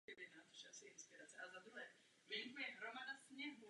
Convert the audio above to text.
Následně se stáhl z politického života a odešel žít na svůj venkovský statek.